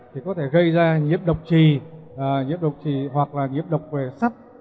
thì có thể gây ra nhiễm độc trì hoặc là nhiễm độc về sắt